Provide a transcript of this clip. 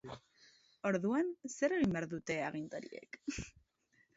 Orduan, zer egin behar dute agintariek?